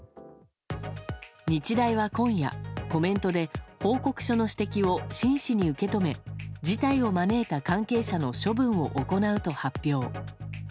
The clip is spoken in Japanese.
日大は今夜、コメントで報告書の指摘を真摯に受け止め事態を招いた関係者の処分を行うと発表。